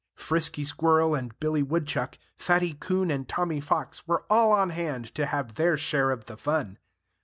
Frisky Squirrel and Billy Woodchuck, Fatty Coon and Tommy Fox, were all on hand to have their share of the fun.